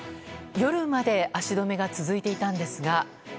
夜まで足止めが続いていたんですが。